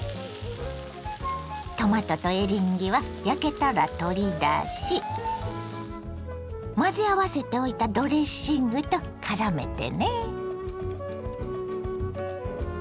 トマトとエリンギは焼けたら取り出し混ぜ合わせておいたドレッシングとからめてね。